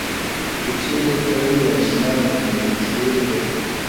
ته چیري تللی یې اشنا او زندګي چیري ده؛